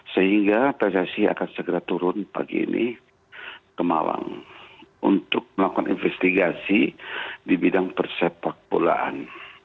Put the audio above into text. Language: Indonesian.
sehingga pssi akan segera turun pagi ini ke malang untuk melakukan investigasi di bidang persepak bolaan